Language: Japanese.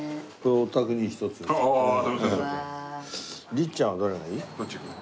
律ちゃんはどれがいい？